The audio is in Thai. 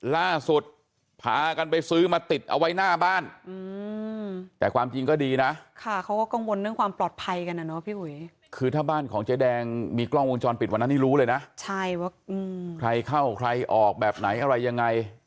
ล่าสุดผ่ากันไปซื้อมาติดเอาไว้หน้าบ้าน